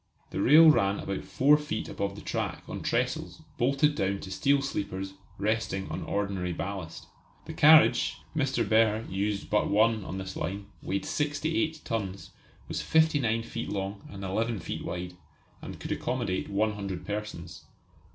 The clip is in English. The rail ran about four feet above the track on trestles bolted down to steel sleepers resting on ordinary ballast. The carriage Mr. Behr used but one on this line weighed 68 tons, was 59 feet long and 11 feet wide, and could accommodate one hundred persons.